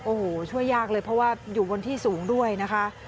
โอ้โหช่วยยากเลยเพราะว่าอยู่บนที่สูงด้วยนะคะ